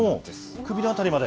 首の辺りまで。